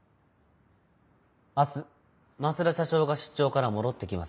明日増田社長が出張から戻ってきます。